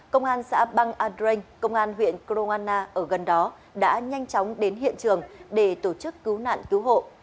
công an xã băng andren công an huyện kroana ở gần đó đã nhanh chóng đến hiện trường để tổ chức cứu nạn cứu hộ